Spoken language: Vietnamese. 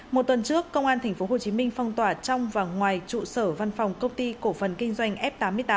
một tuần trước công an thành phố hồ chí minh phong tỏa trong và ngoài trụ sở văn phòng công ty cổ phần kinh doanh f tám mươi tám